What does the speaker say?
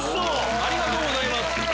ありがとうございます。